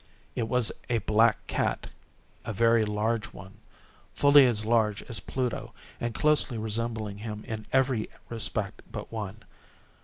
It was a black cat—a very large one—fully as large as Pluto, and closely resembling him in every respect but one.